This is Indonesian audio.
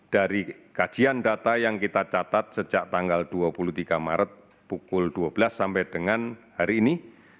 dari kajian data yang kita catat sejak tanggal dua puluh tiga maret pukul dua belas sampai dengan hari ini